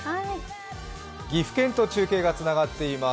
岐阜県と中継がつながっています。